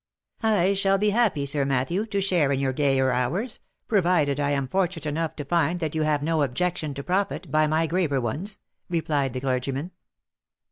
" I shall be happy, Sir Matthew, to share in your gayer hours, provided I am fortunate enough to find that you have no objection to profit by my graver ones," replied the clergyman.